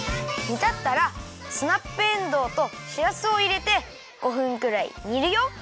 煮たったらスナップエンドウとしらすをいれて５分くらい煮るよ。